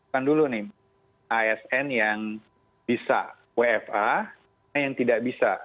kan dulu nih asn yang bisa wfa yang tidak bisa